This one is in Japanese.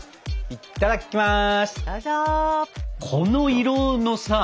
いただきます。